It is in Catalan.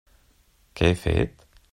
Què he fet?